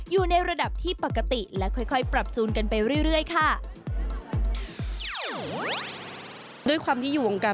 อยู่ในระดับที่ปกติและค่อยปรับจูนกันไปเรื่อยค่ะ